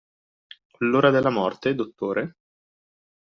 L'ora della morte, dottore?